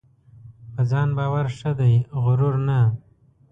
په ځان باور ښه دی ؛غرور نه .